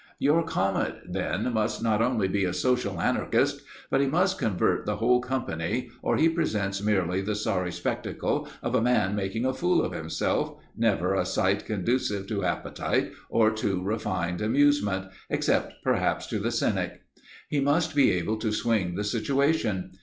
Your comet, then, must not only be a social anarchist but he must convert the whole company, or he presents merely the sorry spectacle of a man making a fool of himself, never a sight conducive to appetite or to refined amusement, except perhaps to the cynic. He must be able to swing the situation.